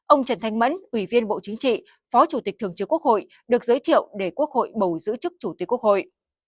ông trần thanh mẫn ủy viên bộ chính trị phó chủ tịch thường trực quốc hội được giới thiệu để quốc hội bầu giữ chức chủ tịch quốc hội